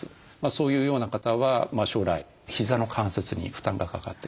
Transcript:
そういうような方は将来ひざの関節に負担がかかってくる。